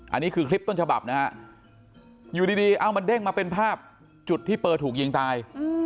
อันนี้คือคลิปต้นฉบับนะฮะอยู่ดีเอามันเด้งมาเป็นภาพจุดที่เปอร์ถูกยิงตาย